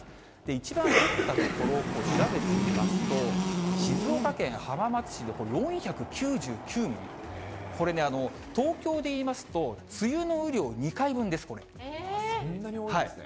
一番降った所、調べてみますと、静岡県浜松市でこれ４９９ミリ、これね、東京でいいますと、そんなに多いんですね。